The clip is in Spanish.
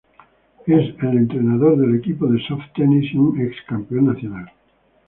Es el entrenador del equipo de soft tennis y un ex campeón nacional.